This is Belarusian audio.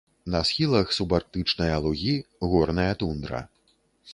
На схілах субарктычныя лугі, горная тундра.